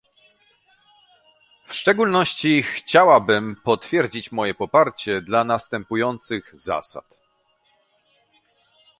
W szczególności chciałabym potwierdzić moje poparcie dla następujących zasad